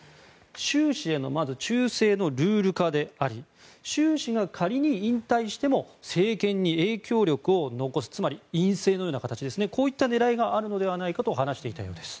習氏へのまず忠誠のルール化であり習氏が仮に引退しても政権に影響力を残すつまり院政のような形こうした狙いがあるのではと話しています。